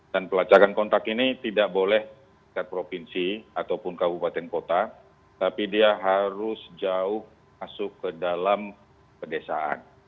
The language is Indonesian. dan pelacakan kontak ini tidak boleh ke provinsi ataupun kabupaten kota tapi dia harus jauh masuk ke dalam pedesaan